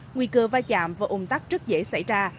nguy cơ va chạm và ung tắc rất dễ xảy ra